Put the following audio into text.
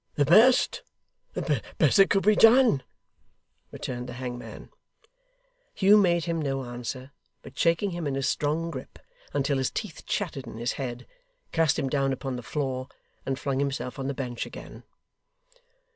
'The best. The best that could be done,' returned the hangman. Hugh made him no answer, but shaking him in his strong grip until his teeth chattered in his head, cast him down upon the floor, and flung himself on the bench again.